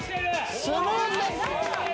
スムーズです。